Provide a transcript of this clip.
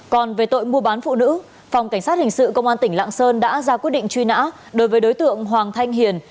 còn về tội mua bán phụ nữ phòng cảnh sát hình sự công an tỉnh lạng sơn đã ra quyết định truy nã đối với đối tượng hoàng thanh hiền